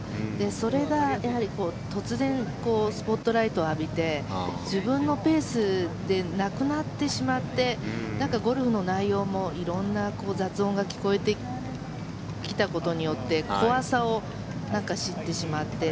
それがやはり、突然スポットライトを浴びて自分のペースでなくなってしまってゴルフの内容も色んな雑音が聞こえてきたことによって怖さを知ってしまって。